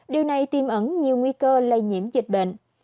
điều này tiêm ẩn nhiều nguy cơ lây nhiễm dịch bệnh